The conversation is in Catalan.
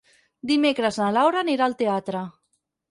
Dimecres na Laura anirà al teatre.